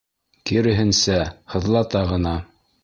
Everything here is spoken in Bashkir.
— Киреһенсә, һыҙлата ғына...